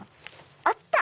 あった！